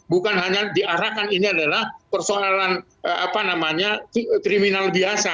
bukan hanya diarahkan ini adalah persoalan kriminal biasa